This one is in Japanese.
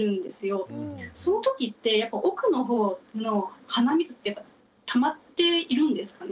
そのときって奥の方の鼻水ってたまっているんですかね？